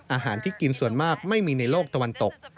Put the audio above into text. อาหารที่กินส่วนมากไม่มีในโลกตะวันตก